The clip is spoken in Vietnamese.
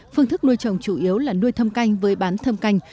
phương thức nuôi trồng chủ yếu là nuôi thâm canh với bán thâm canh